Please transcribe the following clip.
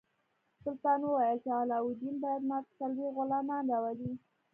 سلطان وویل چې علاوالدین باید ماته څلوېښت غلامان راولي.